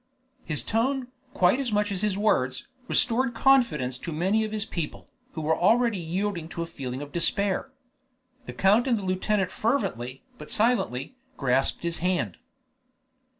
His tone, quite as much as his words, restored confidence to many of his people, who were already yielding to a feeling of despair. The count and the lieutenant fervently, but silently, grasped his hand.